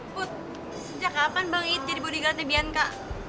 put sejak kapan bang it jadi bodyguard nya bianca